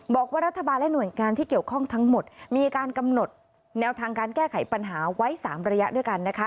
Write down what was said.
บอกว่ารัฐบาลและหน่วยงานที่เกี่ยวข้องทั้งหมดมีการกำหนดแนวทางการแก้ไขปัญหาไว้๓ระยะด้วยกันนะคะ